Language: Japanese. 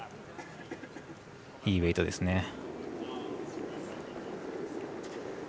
いいウエイトですね。